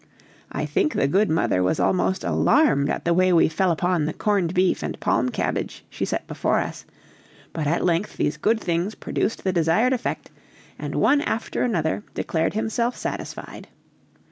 I think the good mother was almost alarmed at the way we fell upon the corned beef and palm cabbage she set before us, but at length these good things produced the desired effect, and one after another declared himself satisfied.